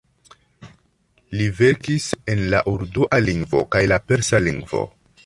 Li verkis en la urdua lingvo kaj la persa lingvo.